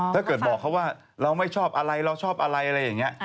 ถ้าเกิดบอกเขาว่าเราไม่ชอบอะไรเราชอบอะไรอะไรอย่างนี้